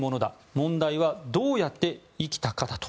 問題はどうやって生きたかだと。